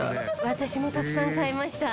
私もたくさん買いました。